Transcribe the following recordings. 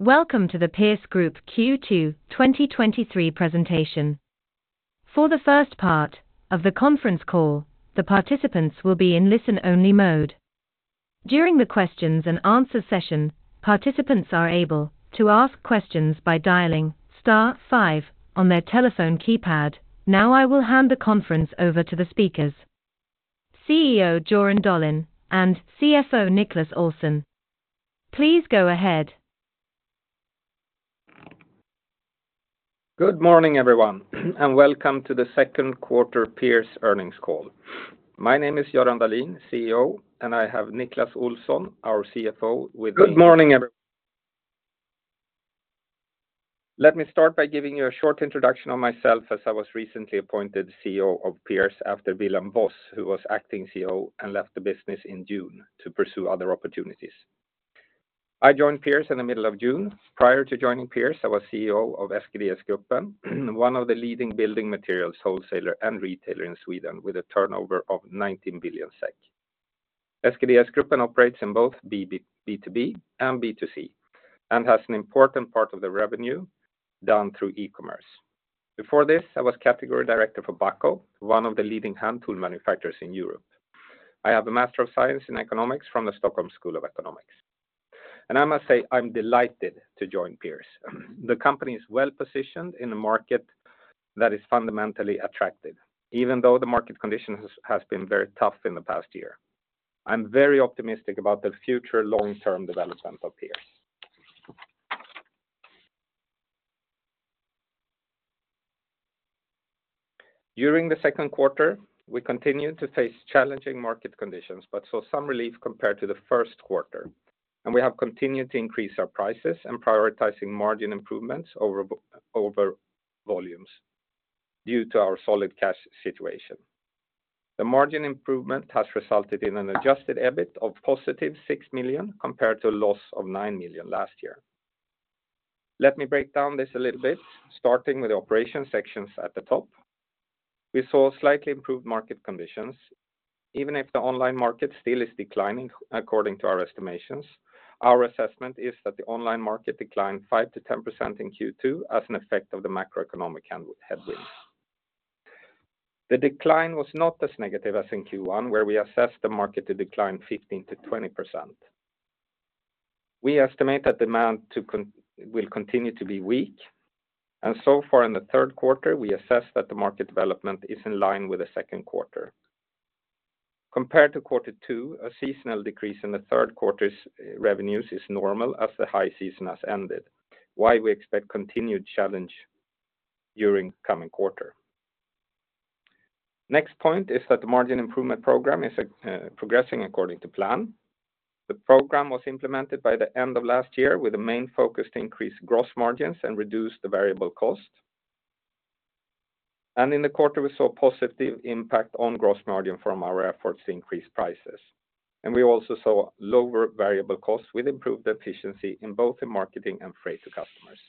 Welcome to the Pierce Group Q2 2023 presentation. For the first part of the conference call, the participants will be in listen-only mode. During the questions and answer session, participants are able to ask questions by dialing star five on their telephone keypad. Now, I will hand the conference over to the speakers, CEO, Göran Dahlin, and CFO, Niclas Olsson. Please go ahead. Good morning, everyone, and welcome to the second quarter Pierce earnings call. My name is Göran Dahlin, CEO, and I have Niclas Olsson, our CFO, with me. Good morning, everyone. Let me start by giving you a short introduction on myself as I was recently appointed CEO of Pierce after Willem Vos, who was acting CEO and left the business in June to pursue other opportunities. I joined Pierce in the middle of June. Prior to joining Pierce, I was CEO of SGDS Gruppen, one of the leading building materials wholesaler and retailer in Sweden, with a turnover of 19 billion SEK. SGDS Gruppen operates in both B, B2B and B2C, and has an important part of the revenue down through e-commerce. Before this, I was category director for Bahco, one of the leading hand tool manufacturers in Europe. I have a Master of Science in Economics from the Stockholm School of Economics, and I must say, I'm delighted to join Pierce. The company is well-positioned in a market that is fundamentally attractive, even though the market condition has been very tough in the past year. I'm very optimistic about the future long-term development of Pierce. During the second quarter, we continued to face challenging market conditions, but saw some relief compared to the first quarter, and we have continued to increase our prices and prioritizing margin improvements over volumes due to our solid cash situation. The margin improvement has resulted in an Adjusted EBIT of 6 million, compared to a loss of 9 million last year. Let me break down this a little bit, starting with the operation sections at the top. We saw slightly improved market conditions, even if the online market still is declining according to our estimations. Our assessment is that the online market declined 5%-10% in Q2 as an effect of the macroeconomic headwind. The decline was not as negative as in Q1, where we assessed the market to decline 15%-20%. We estimate that demand will continue to be weak, and so far in the third quarter, we assess that the market development is in line with the second quarter. Compared to quarter two, a seasonal decrease in the third quarter's revenues is normal as the high season has ended, why we expect continued challenge during the coming quarter. Next point is that the margin improvement program is progressing according to plan. The program was implemented by the end of last year, with a main focus to increase gross margins and reduce the variable cost. In the quarter, we saw positive impact on gross margin from our efforts to increase prices, and we also saw lower variable costs with improved efficiency in both the marketing and freight to customers.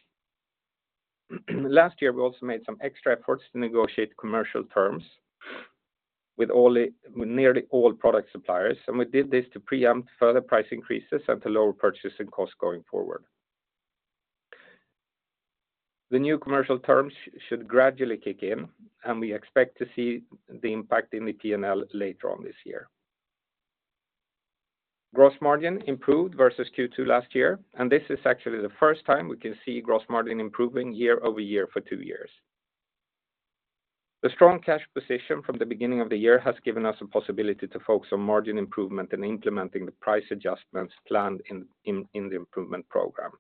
Last year, we also made some extra efforts to negotiate commercial terms with nearly all product suppliers, and we did this to preempt further price increases and to lower purchasing costs going forward. The new commercial terms should gradually kick in, and we expect to see the impact in the P&L later on this year. Gross margin improved versus Q2 last year, and this is actually the first time we can see gross margin improving year-over-year for two years. The strong cash position from the beginning of the year has given us a possibility to focus on margin improvement and implementing the price adjustments planned in the improvement program.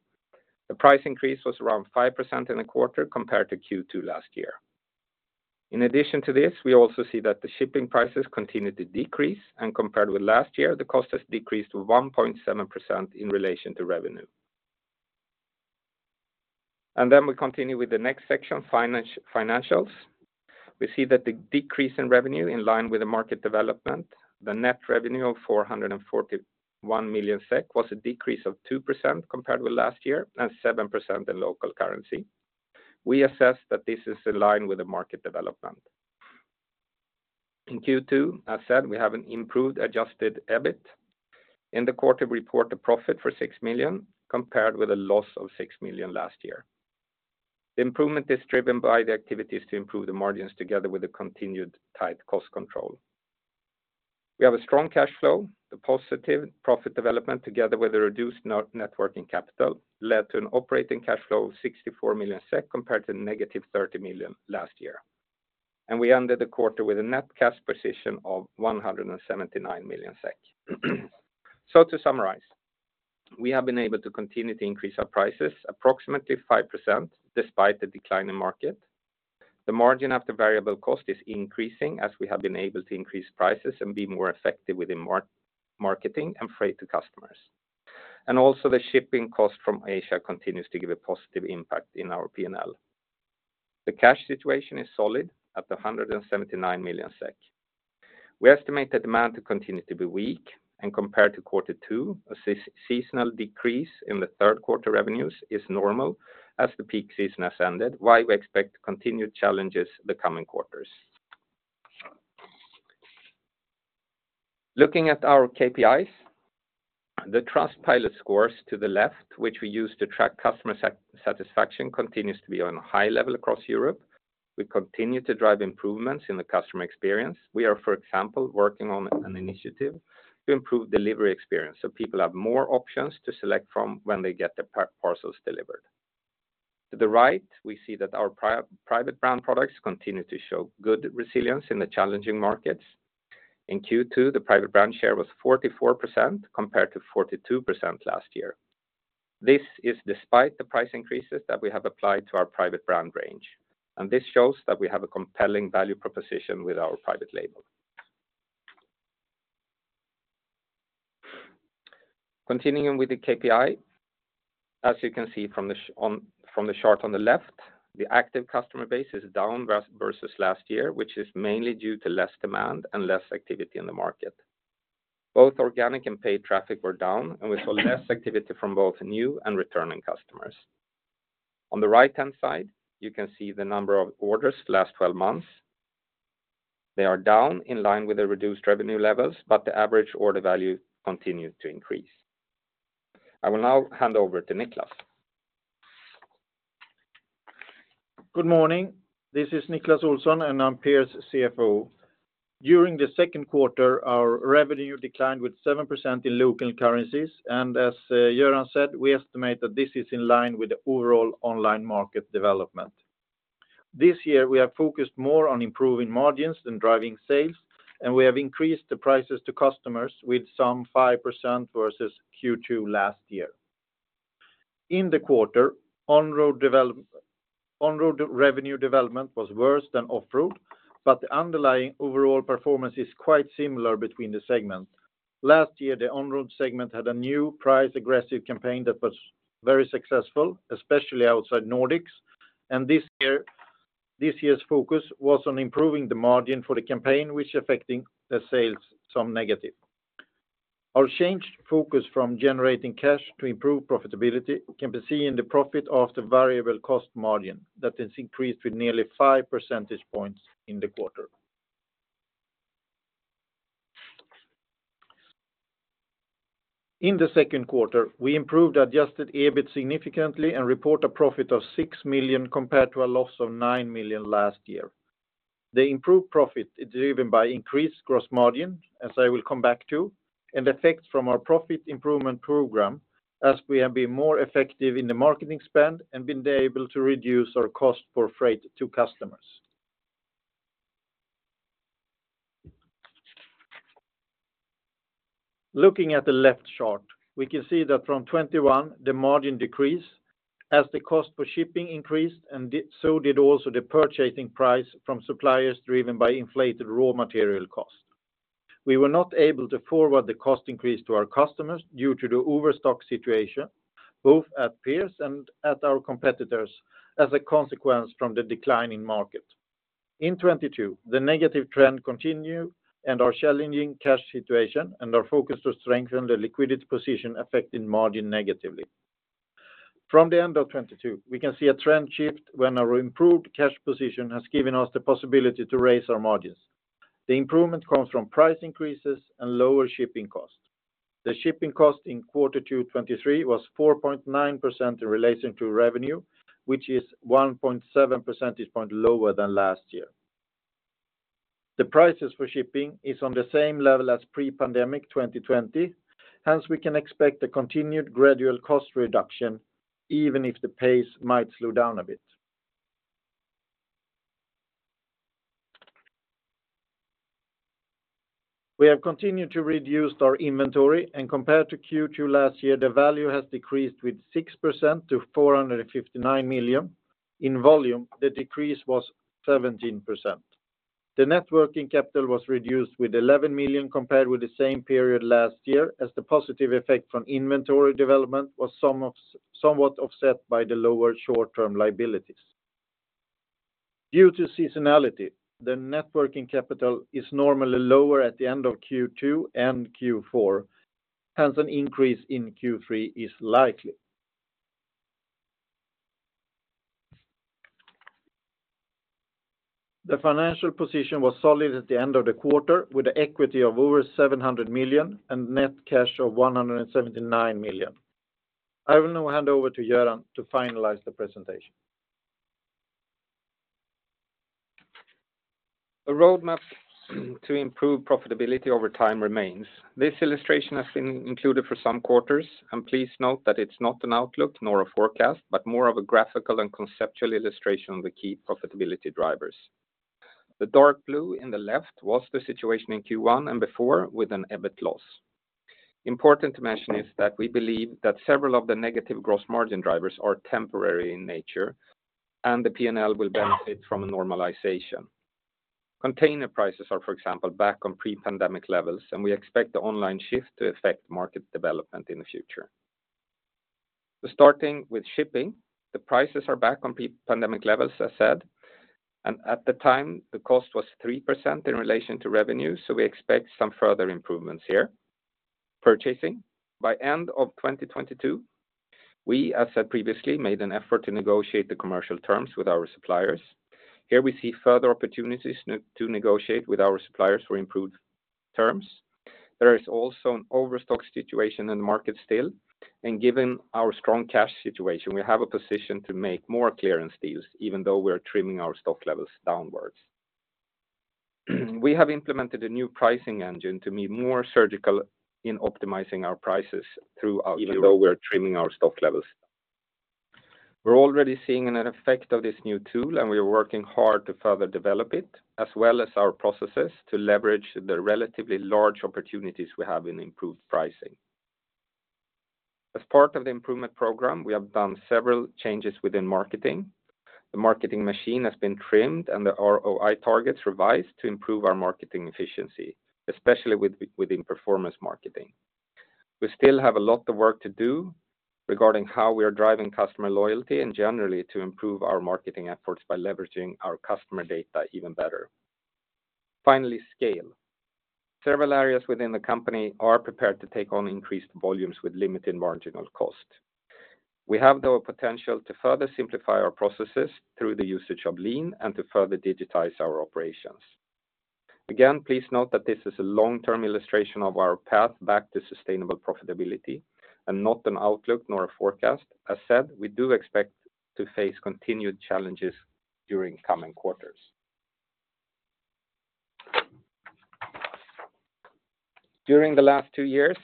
The price increase was around 5% in a quarter compared to Q2 last year. In addition to this, we also see that the shipping prices continued to decrease, and compared with last year, the cost has decreased to 1.7% in relation to revenue. Then we continue with the next section, finance, financials. We see that the decrease in revenue in line with the market development, the net revenue of 441 million SEK was a decrease of 2% compared with last year and 7% in local currency. We assess that this is in line with the market development. In Q2, as said, we have an improved Adjusted EBIT. In the quarter, we report a profit for 6 million, compared with a loss of 6 million last year. The improvement is driven by the activities to improve the margins together with the continued tight cost control. We have a strong cash flow. The positive profit development, together with a reduced net working capital, led to an operating cash flow of 64 million SEK, compared to negative 30 million last year, and we ended the quarter with a net cash position of 179 million SEK. So to summarize, we have been able to continue to increase our prices approximately 5% despite the decline in market. The margin after variable cost is increasing as we have been able to increase prices and be more effective within marketing and freight to customers. And also, the shipping cost from Asia continues to give a positive impact in our P&L. The cash situation is solid at 179 million SEK. We estimate the demand to continue to be weak and compared to quarter two, a seasonal decrease in the third quarter revenues is normal as the peak season has ended, while we expect continued challenges the coming quarters. Looking at our KPIs, the Trustpilot scores to the left, which we use to track customer satisfaction, continues to be on a high level across Europe. We continue to drive improvements in the customer experience. We are, for example, working on an initiative to improve delivery experience, so people have more options to select from when they get their parcels delivered. To the right, we see that our private brand products continue to show good resilience in the challenging markets. In Q2, the private brand share was 44%, compared to 42% last year. This is despite the price increases that we have applied to our private brand range, and this shows that we have a compelling value proposition with our private label. Continuing with the KPI, as you can see from the chart on the left, the active customer base is down versus last year, which is mainly due to less demand and less activity in the market. Both organic and paid traffic were down, and we saw less activity from both new and returning customers. On the right-hand side, you can see the number of orders last twelve months. They are down in line with the reduced revenue levels, but the average order value continued to increase. I will now hand over to Niclas. Good morning. This is Niclas Olsson, and I'm Pierce CFO. During the second quarter, our revenue declined with 7% in local currencies, and as Göran said, we estimate that this is in line with the overall online market development. This year, we have focused more on improving margins than driving sales, and we have increased the prices to customers with some 5% versus Q2 last year. In the quarter, Onroad revenue development was worse than Offroad, but the underlying overall performance is quite similar between the segments. Last year, the Onroad segment had a new price-aggressive campaign that was very successful, especially outside Nordics, and this year, this year's focus was on improving the margin for the campaign, which affecting the sales some negative. Our changed focus from generating cash to improve profitability can be seen in the profit after variable cost margin, that has increased with nearly 5 percentage points in the quarter. In the second quarter, we improved Adjusted EBIT significantly and report a profit of 6 million, compared to a loss of 9 million last year. The improved profit is driven by increased gross margin, as I will come back to, and effects from our profit improvement program, as we have been more effective in the marketing spend and been able to reduce our cost for freight to customers. Looking at the left chart, we can see that from 2021, the margin decreased as the cost for shipping increased, and did, so did also the purchasing price from suppliers driven by inflated raw material cost. We were not able to forward the cost increase to our customers due to the overstock situation, both at Pierce and at our competitors, as a consequence from the decline in market. In 2022, the negative trend continued and our challenging cash situation and our focus to strengthen the liquidity position affecting margin negatively. From the end of 2022, we can see a trend shift when our improved cash position has given us the possibility to raise our margins. The improvement comes from price increases and lower shipping costs. The shipping cost in quarter two, 2023 was 4.9% in relation to revenue, which is 1.7 percentage point lower than last year. The prices for shipping is on the same level as pre-pandemic, 2020. Hence, we can expect a continued gradual cost reduction, even if the pace might slow down a bit. We have continued to reduce our inventory, and compared to Q2 last year, the value has decreased with 6% to 459 million. In volume, the decrease was 17%. The net working capital was reduced with 11 million compared with the same period last year, as the positive effect from inventory development was somewhat offset by the lower short-term liabilities. Due to seasonality, the net working capital is normally lower at the end of Q2 and Q4, hence an increase in Q3 is likely. The financial position was solid at the end of the quarter, with an equity of over 700 million and net cash of 179 million. I will now hand over to Göran to finalize the presentation. A roadmap to improve profitability over time remains. This illustration has been included for some quarters, and please note that it's not an outlook nor a forecast, but more of a graphical and conceptual illustration of the key profitability drivers. The dark blue in the left was the situation in Q1 and before with an EBIT loss. Important to mention is that we believe that several of the negative gross margin drivers are temporary in nature, and the P&L will benefit from a normalization. Container prices are, for example, back on pre-pandemic levels, and we expect the online shift to affect market development in the future. Starting with shipping, the prices are back on pre-pandemic levels, as said, and at the time, the cost was 3% in relation to revenue, so we expect some further improvements here.... purchasing. By end of 2022, we, as said previously, made an effort to negotiate the commercial terms with our suppliers. Here we see further opportunities to negotiate with our suppliers for improved terms. There is also an overstock situation in the market still, and given our strong cash situation, we have a position to make more clearance deals, even though we are trimming our stock levels downwards. We have implemented a new pricing engine to be more surgical in optimizing our prices throughout, even though we are trimming our stock levels. We're already seeing an effect of this new tool, and we are working hard to further develop it, as well as our processes to leverage the relatively large opportunities we have in improved pricing. As part of the improvement program, we have done several changes within marketing. The marketing machine has been trimmed and the ROI targets revised to improve our marketing efficiency, especially within performance marketing. We still have a lot of work to do regarding how we are driving customer loyalty and generally to improve our marketing efforts by leveraging our customer data even better. Finally, scale. Several areas within the company are prepared to take on increased volumes with limited marginal cost. We have the potential to further simplify our processes through the usage of Lean and to further digitize our operations. Again, please note that this is a long-term illustration of our path back to sustainable profitability and not an outlook nor a forecast. As said, we do expect to face continued challenges during coming quarters. During the last two years,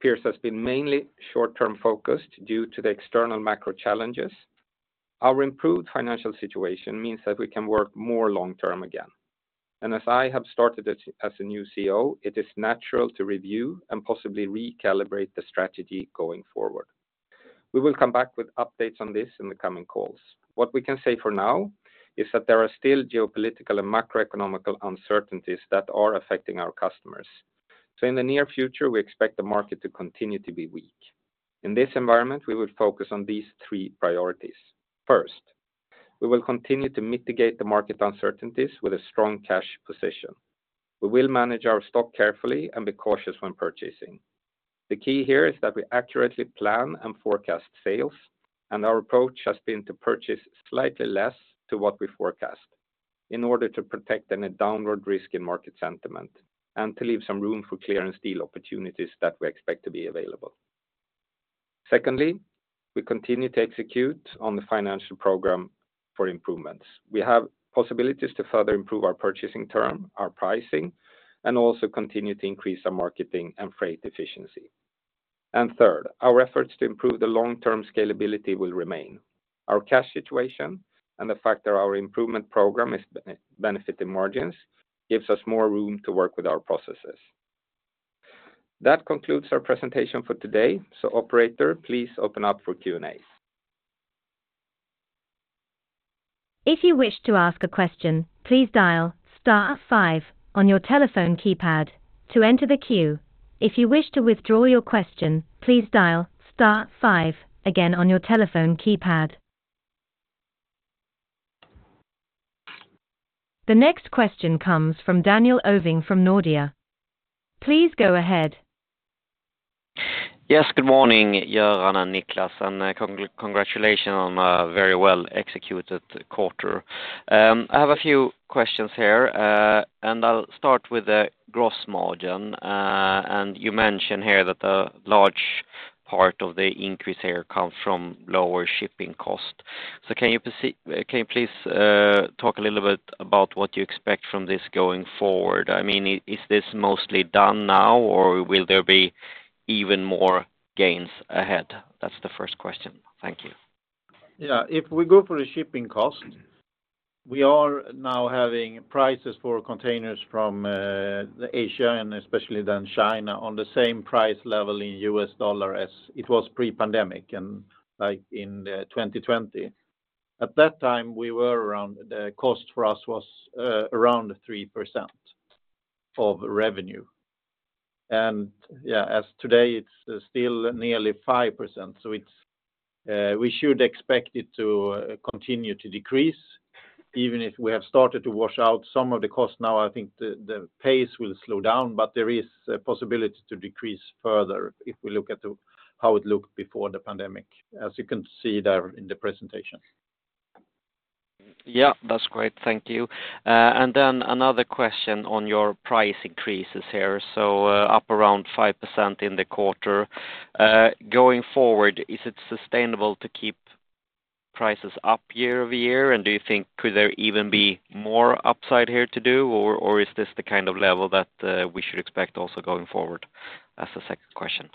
Pierce has been mainly short-term focused due to the external macro challenges. Our improved financial situation means that we can work more long-term again. As I have started as a new CEO, it is natural to review and possibly recalibrate the strategy going forward. We will come back with updates on this in the coming calls. What we can say for now is that there are still geopolitical and macroeconomic uncertainties that are affecting our customers. In the near future, we expect the market to continue to be weak. In this environment, we will focus on these three priorities. First, we will continue to mitigate the market uncertainties with a strong cash position. We will manage our stock carefully and be cautious when purchasing. The key here is that we accurately plan and forecast sales, and our approach has been to purchase slightly less to what we forecast in order to protect any downward risk in market sentiment, and to leave some room for clearance deal opportunities that we expect to be available. Secondly, we continue to execute on the financial program for improvements. We have possibilities to further improve our purchasing term, our pricing, and also continue to increase our marketing and freight efficiency. And third, our efforts to improve the long-term scalability will remain. Our cash situation and the fact that our improvement program is benefiting margins, gives us more room to work with our processes. That concludes our presentation for today. So operator, please open up for Q&A. If you wish to ask a question, please dial star five on your telephone keypad to enter the queue. If you wish to withdraw your question, please dial star five again on your telephone keypad. The next question comes from Daniel Ovin from Nordea. Please go ahead. Yes, good morning, Göran and Niclas, and congratulations on a very well-executed quarter. I have a few questions here, and I'll start with the gross margin. You mentioned here that the large part of the increase here come from lower shipping costs. So can you please talk a little bit about what you expect from this going forward? I mean, is this mostly done now, or will there be even more gains ahead? That's the first question. Thank you. Yeah. If we go for the shipping cost, we are now having prices for containers from, Asia, and especially then China, on the same price level in US dollar as it was pre-pandemic, and like in the 2020. At that time, we were around, the cost for us was, around 3% of revenue. And yeah, as today, it's still nearly 5%. So it's, we should expect it to continue to decrease, even if we have started to wash out some of the cost now, I think the, the pace will slow down, but there is a possibility to decrease further if we look at the... how it looked before the pandemic, as you can see there in the presentation. Yeah, that's great. Thank you. And then another question on your price increases here. So, up around 5% in the quarter. Going forward, is it sustainable to keep prices up year-over-year? And do you think could there even be more upside here to do, or, or is this the kind of level that, we should expect also going forward? That's the second question.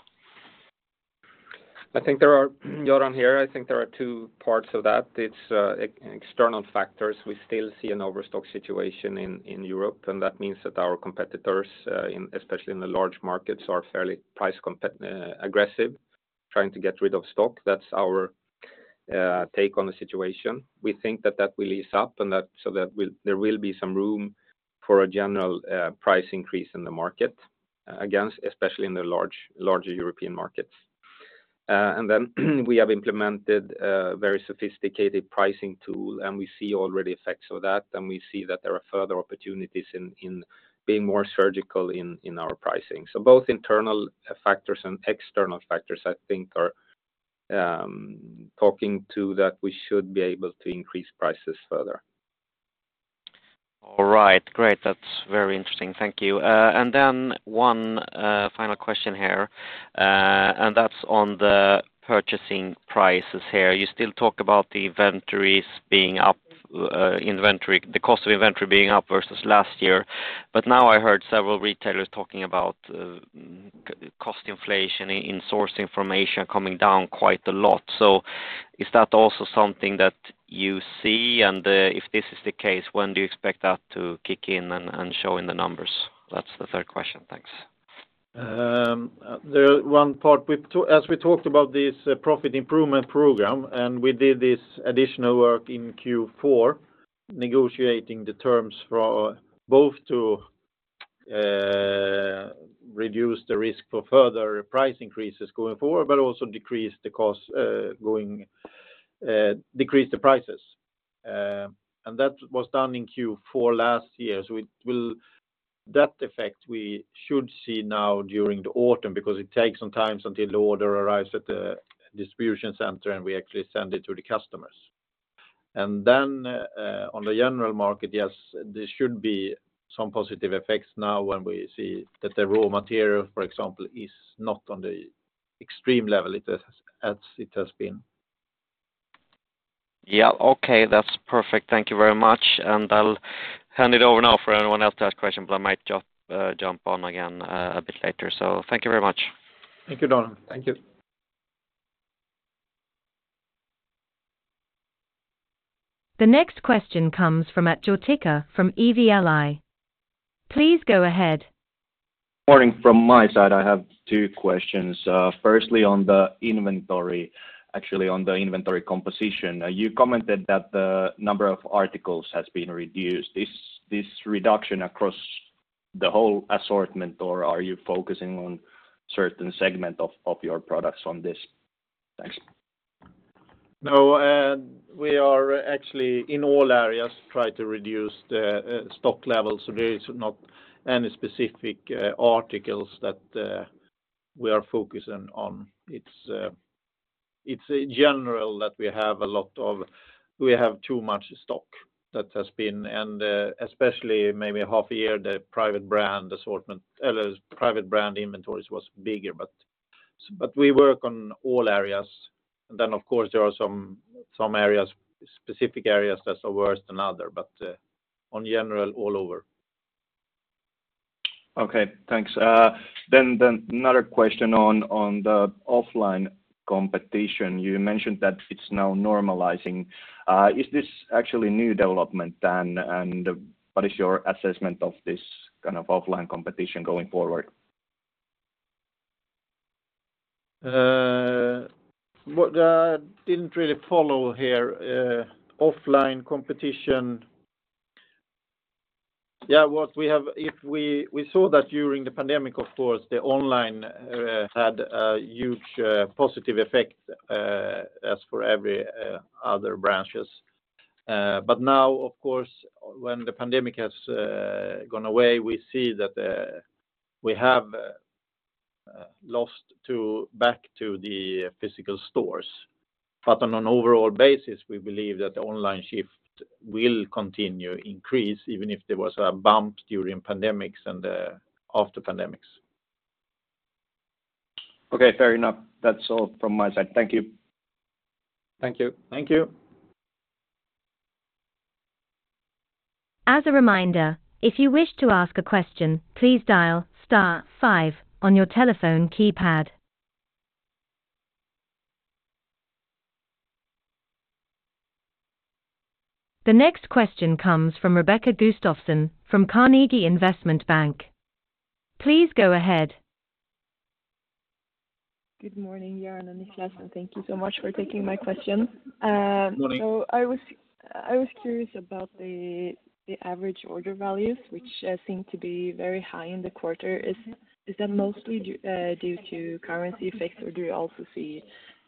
I think there are, Göran here, I think there are two parts of that. It's external factors. We still see an overstock situation in Europe, and that means that our competitors in, especially in the large markets, are fairly price competitive aggressive, trying to get rid of stock. That's our take on the situation. We think that that will ease up and that, so that there will be some room for a general price increase in the market, again, especially in the larger European markets. And then we have implemented a very sophisticated pricing tool, and we see already effects of that, and we see that there are further opportunities in being more surgical in our pricing. Both internal factors and external factors, I think, are talking to that we should be able to increase prices further. All right, great. That's very interesting. Thank you. And then one final question here, and that's on the purchasing prices here. You still talk about the inventories being up, inventory, the cost of inventory being up versus last year. But now I heard several retailers talking about cost inflation in source information coming down quite a lot. So is that also something that you see? And if this is the case, when do you expect that to kick in and show in the numbers? That's the third question. Thanks. The one part, as we talked about this profit improvement program, and we did this additional work in Q4, negotiating the terms for both to reduce the risk for further price increases going forward, but also decrease the cost, decrease the prices. And that was done in Q4 last year. So it will... That effect we should see now during the autumn, because it takes some time until the order arrives at the distribution center, and we actually send it to the customers. And then, on the general market, yes, there should be some positive effects now when we see that the raw material, for example, is not on the extreme level it has, as it has been. Yeah, okay. That's perfect. Thank you very much, and I'll hand it over now for anyone else to ask question, but I might jump, jump on again a bit later. So thank you very much. Thank you, Daniel. Thank you. The next question comes from Atte Riikola from Evli. Please go ahead. Morning from my side. I have two questions. Firstly, on the inventory, actually, on the inventory composition. You commented that the number of articles has been reduced. Is this reduction across the whole assortment, or are you focusing on certain segment of your products on this? Thanks. No, we are actually, in all areas, trying to reduce the stock levels, so there is not any specific articles that we are focusing on. It's, it's general that we have too much stock. That has been. And, especially maybe half a year, the private brand assortment, private brand inventories was bigger, but, but we work on all areas. And then, of course, there are some, some areas, specific areas that are worse than other, but, on general, all over. Okay, thanks. Then another question on the offline competition. You mentioned that it's now normalizing. Is this actually a new development, then? And what is your assessment of this kind of offline competition going forward? What didn't really follow here, offline competition. Yeah, what we have, if we saw that during the pandemic, of course, the online had a huge positive effect, as for every other branches. But now, of course, when the pandemic has gone away, we see that we have lost to back to the physical stores. But on an overall basis, we believe that the online shift will continue to increase, even if there was a bump during pandemics and after pandemics. Okay, fair enough. That's all from my side. Thank you. Thank you. Thank you. As a reminder, if you wish to ask a question, please dial star five on your telephone keypad. The next question comes from Rebecka Gustafson from Carnegie Investment Bank. Please go ahead. Good morning, Göran and Niclas, and thank you so much for taking my question. Good morning. So I was curious about the average order values, which seem to be very high in the quarter. Is that mostly due to currency effects, or do you also see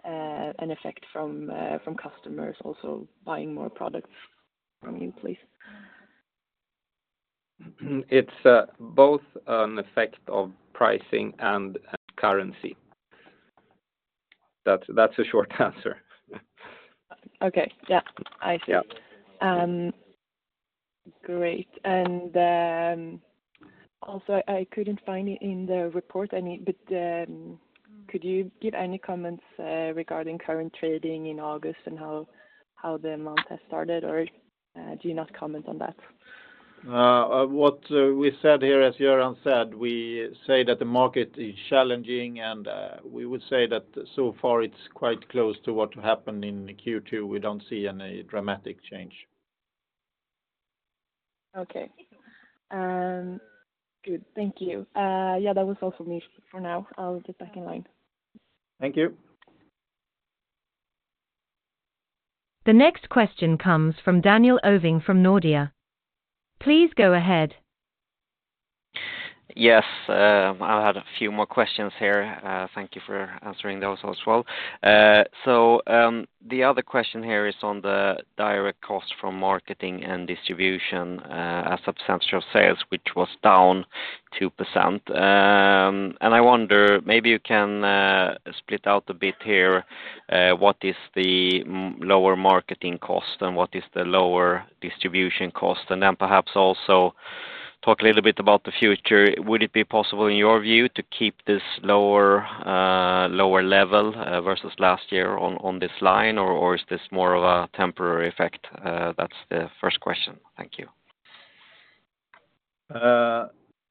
an effect from customers also buying more products from you, please? It's both an effect of pricing and currency. That's a short answer. Okay. Yeah, I see. Yeah. Great. Also, I couldn't find it in the report, but could you give any comments regarding current trading in August and how the month has started? Or, do you not comment on that? What we said here, as Göran said, we say that the market is challenging, and we would say that so far it's quite close to what happened in Q2. We don't see any dramatic change. Okay. Good. Thank you. Yeah, that was also me for now. I'll get back in line. Thank you. ... The next question comes from Daniel Ovin from Nordea. Please go ahead. Yes, I had a few more questions here. Thank you for answering those as well. The other question here is on the direct cost from marketing and distribution as substantial sales, which was down 2%. And I wonder, maybe you can split out a bit here, what is the lower marketing cost and what is the lower distribution cost? And then perhaps also talk a little bit about the future. Would it be possible, in your view, to keep this lower lower level versus last year on this line, or is this more of a temporary effect? That's the first question. Thank you.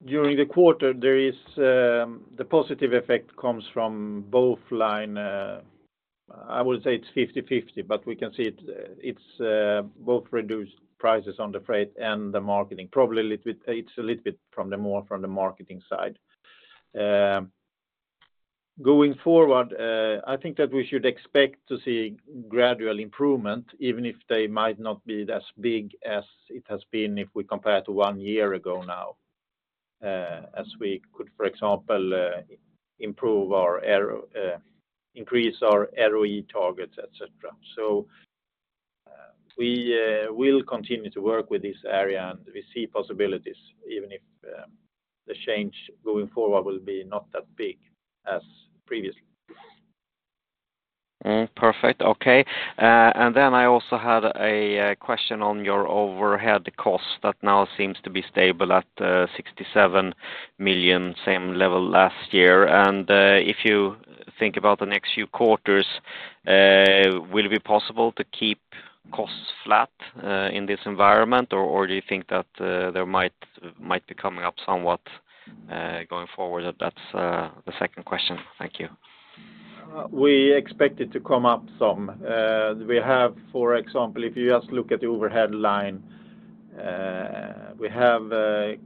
During the quarter, there is the positive effect comes from both line. I would say it's 50/50, but we can see it, it's both reduced prices on the freight and the marketing. Probably a little bit, it's a little bit more from the marketing side. Going forward, I think that we should expect to see gradual improvement, even if they might not be as big as it has been if we compare to one year ago now, as we could, for example, increase our ROI targets, etc. So, we will continue to work with this area, and we see possibilities, even if the change going forward will be not that big as previously. Mm. Perfect. Okay. And then I also had a question on your overhead costs, that now seems to be stable at 67 million, same level last year. And if you think about the next few quarters, will it be possible to keep costs flat in this environment, or do you think that there might be coming up somewhat going forward? That's the second question. Thank you. We expect it to come up some. We have, for example, if you just look at the overhead line, we have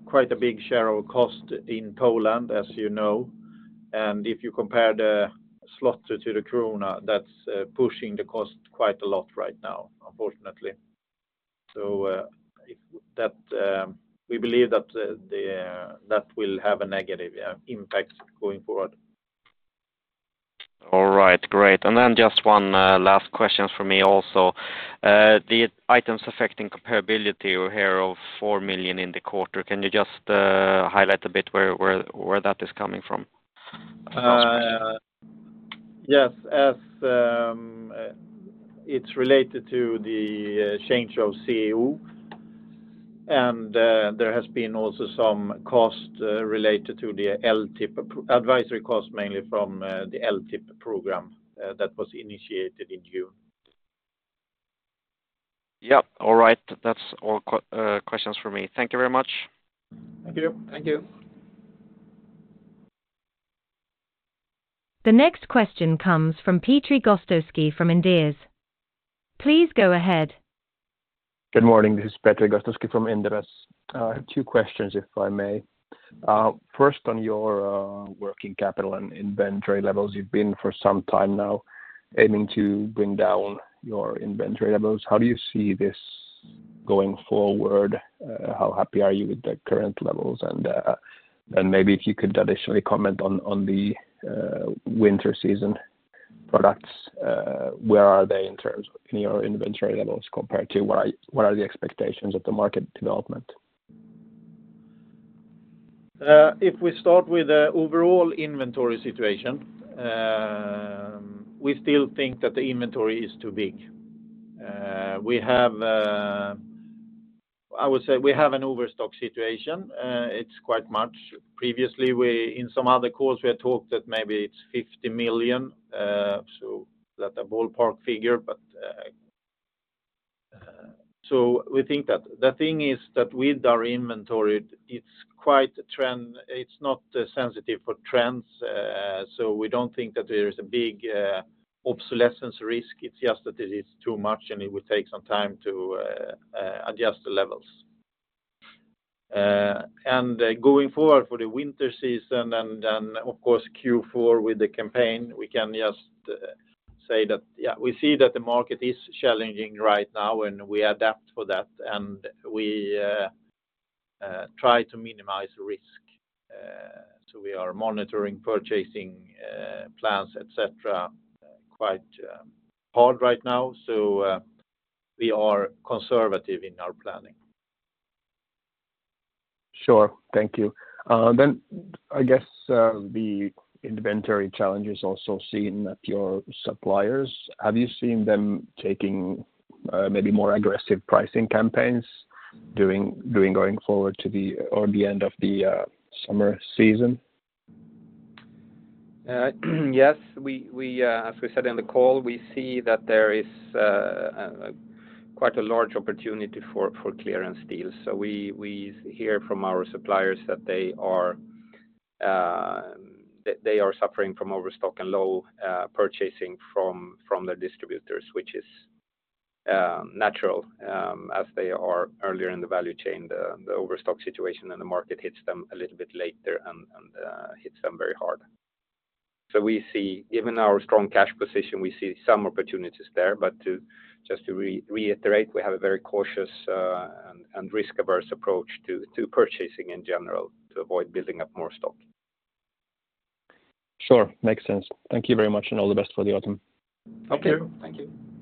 quite a big share of cost in Poland, as you know, and if you compare the zloty to the krona, that's pushing the cost quite a lot right now, unfortunately. So, if that, we believe that the, the, that will have a negative impact going forward. All right, great. And then just one last question for me also. The items affecting comparability are here of 4 million in the quarter. Can you just highlight a bit where that is coming from? Yes, as it's related to the change of CEO, and there has been also some cost related to the LTIP. Advisory cost, mainly from the LTIP program, that was initiated in June. Yep. All right. That's all questions for me. Thank you very much. Thank you. Thank you. The next question comes from Petri Gostowski from Inderes. Please go ahead. Good morning, this is Petri Gostowski from Inderes. I have two questions, if I may. First, on your working capital and inventory levels, you've been for some time now aiming to bring down your inventory levels. How do you see this going forward? How happy are you with the current levels? And maybe if you could additionally comment on the winter season products, where are they in terms of your inventory levels compared to what are, what are the expectations of the market development? If we start with the overall inventory situation, we still think that the inventory is too big. We have, I would say we have an overstock situation, it's quite much. Previously, in some other calls, we had talked that maybe it's 50 million, so that's a ballpark figure. But, so we think that the thing is that with our inventory, it's quite a trend, it's not sensitive for trends, so we don't think that there is a big obsolescence risk. It's just that it is too much, and it will take some time to adjust the levels. And going forward for the winter season and then, of course, Q4 with the campaign, we can just say that, yeah, we see that the market is challenging right now, and we adapt for that, and we try to minimize risk. So we are monitoring purchasing plans, et cetera, quite hard right now, so we are conservative in our planning. Sure. Thank you. Then, I guess, the inventory challenge is also seen at your suppliers. Have you seen them taking maybe more aggressive pricing campaigns going forward, or to the end of the summer season? Yes, as we said in the call, we see that there is quite a large opportunity for clearance deals. So we hear from our suppliers that they are suffering from overstock and low purchasing from their distributors, which is natural, as they are earlier in the value chain, the overstock situation in the market hits them a little bit later and hits them very hard. So we see, given our strong cash position, we see some opportunities there, but just to reiterate, we have a very cautious and risk-averse approach to purchasing in general to avoid building up more stock. Sure. Makes sense. Thank you very much, and all the best for the autumn. Thank you. Thank you.